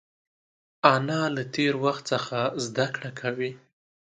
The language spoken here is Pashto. انا له تېر وخت څخه زده کړه کوي